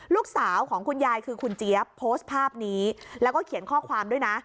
ลูกชายของคุณยายคือคุณเจี๊ยบโพสต์ภาพนี้แล้วก็เขียนข้อความด้วยนะ